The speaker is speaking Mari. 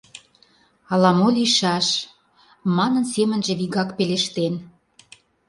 «Ала-мо лийшаш», — манын, семынже вигак пелештен.